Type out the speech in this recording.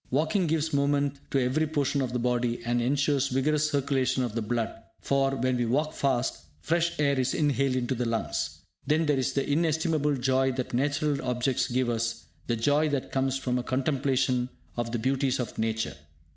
Walking gives movement to every portion of the body, and ensures vigorous circulation of the blood; for, when we walk fast, fresh air is inhaled into the lungs. Then there is the inestimable joy that natural objects give us, the joy that comes from a contemplation of the beauties of nature.